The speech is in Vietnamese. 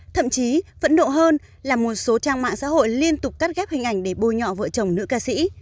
thậm chí phẫn độ hơn là một số trang mạng xã hội liên tục cắt ghép hình ảnh để bôi nhọ vợ chồng nữ ca sĩ